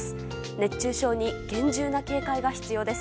熱中症に厳重な警戒が必要です。